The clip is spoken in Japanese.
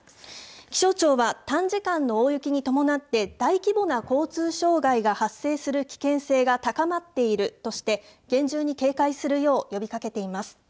気象庁は、短時間の大雪に伴って大規模な交通障害が発生する危険性が高まっているとして、厳重に警戒するよう呼びかけています。